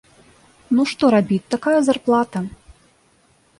Ну, што рабіць, такая зарплата!